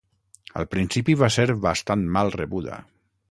Al principi va ser bastant mal rebuda.